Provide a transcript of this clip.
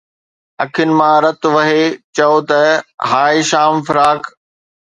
اکين مان رت وهي چئو ته ”هاءِ شام فراق